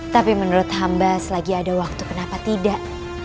tapi menurut hamba selagi ada waktu kenapa tidak